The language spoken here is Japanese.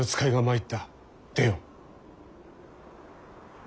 出よ。